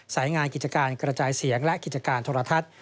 สายงานกิจการกระจายเสียงและกิจการโทรทัศน์